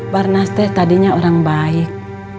barnas teh tadinya orang baik